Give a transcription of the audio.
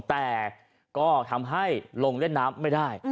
แต่ก็ทำให้ลงเล่นน้ำไม่ได้